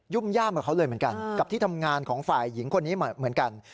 ุ่มย่ามกับเขาเลยเหมือนกันกับที่ทำงานของฝ่ายหญิงคนนี้เหมือนกัน